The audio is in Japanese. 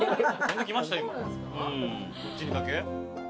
そっちにだけ？